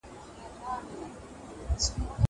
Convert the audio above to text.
زه به سبا کتاب وليکم.